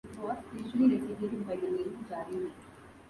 It was usually designated by the name Jariri.